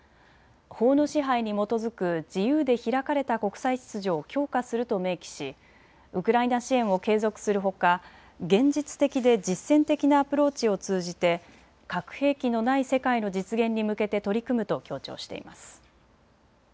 法の支配に基づく自由で開かれた国際秩序を強化すると明記しウクライナ支援を継続するほか現実的で実践的なアプローチを通じて核兵器のない世界の実現に向けて取り組むと強調しています。